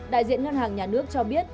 đại diện ngân hàng nhà nước cho biết